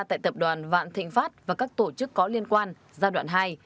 tại tập đoàn vạn thịnh pháp và các tổ chức có liên quan giai đoạn hai